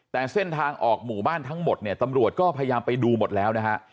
แต่เส้นทางออกหมู่บ้านทั้งหมดเนี่ยตำรวจก็พยายามไปดูหมดแล้วนะฮะ